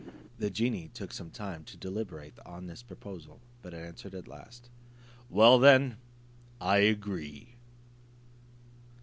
The genie took some time to deliberate on this proposal, but answered at last, "Well then, I agree."